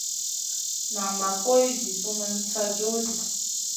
Nan ma poy zi sumun sa joh ɗi.